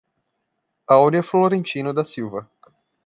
Aurea Florentino da Silva